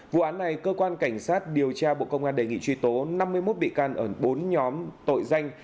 vụ án này cơ quan cảnh sát điều tra bộ công an đề nghị truy tố năm mươi một bị can ở bốn nhóm tội danh